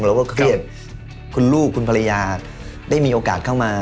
เราก็เครียดคุณลูกคุณภรรยาได้มีโอกาสเข้ามา